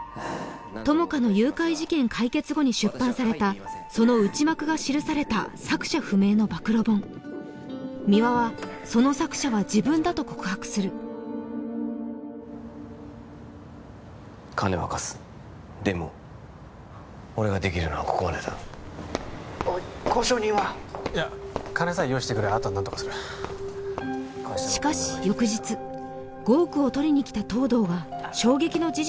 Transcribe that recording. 友果の誘拐事件解決後に出版されたその内幕が記された作者不明の暴露本三輪はその作者は自分だと告白する金は貸すでも俺ができるのはここまでだおい交渉人は？いや金さえ用意してくれればあとは何とかするしかし翌日５億を取りに来た